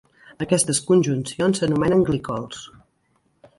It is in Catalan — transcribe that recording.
Aquestes conjuncions s'anomenen glicols.